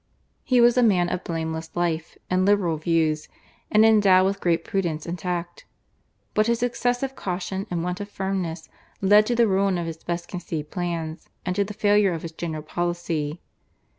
He was a man of blameless life and liberal views, and endowed with great prudence and tact, but his excessive caution and want of firmness led to the ruin of his best conceived plans and to the failure of his general policy.